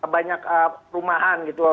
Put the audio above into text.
banyak rumahan gitu loh